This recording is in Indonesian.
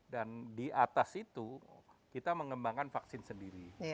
dan di atas itu kita mengembangkan vaksin sendiri